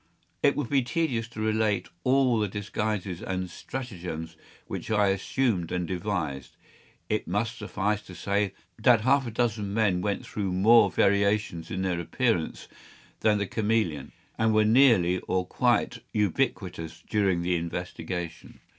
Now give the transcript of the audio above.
It would be tedious to relate all the disguises and stratagems which I assumed and devised. It must suffice to say, that half a dozen men went through more variations in their appearance than the chameleon, and were nearly or quite ubiquitous during the investigation.